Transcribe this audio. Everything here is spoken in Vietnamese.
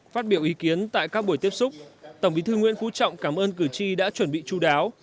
phát biểu ý kiến tại các buổi tiếp xúc tổng bí thư nguyễn phú trọng cảm ơn cử tri đã chuẩn bị chú đáo